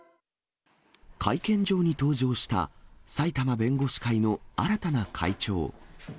会見場に登場した埼玉弁護士会の新たな会長。